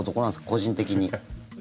個人的に。